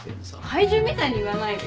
怪獣みたいに言わないでよ。